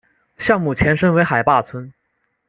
项目前身为海坝村。